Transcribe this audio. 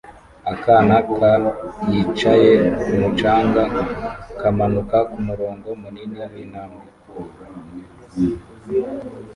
Akana ka yicaye kumu canga kamanuka kumurongo munini wintambwe